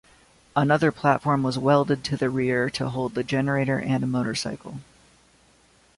Another platform was welded to the rear to hold the generator and a motorcycle.